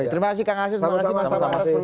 terima kasih kak ngasis terima kasih